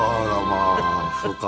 まあそうか。